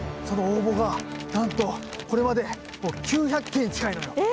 その応募がなんとこれまでもう９００件近いのよ。